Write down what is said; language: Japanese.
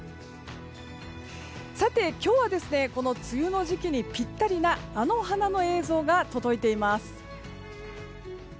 さて、今日はこの梅雨の時期にピッタリなあの花の映像が届いています。